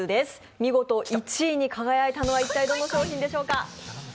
見事１位に輝いたのは一体どの商品でしょうか。